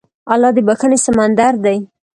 الله د بښنې سمندر دی.